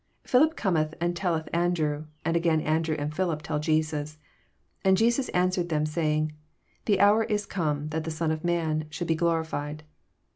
22 Philip oometh and telleth An drew: and a.gain Andrew and Philip tell Jesus. 23 And Jesus answered them, saying The hour is come, that the Son of man should be glorified.